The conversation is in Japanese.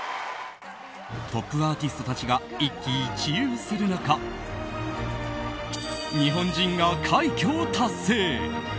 トップアーティストたちが一喜一憂する中日本人が快挙を達成。